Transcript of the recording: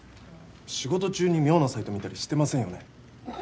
仕事中に妙なサイト見たりしてませんよね？